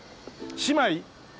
姉妹？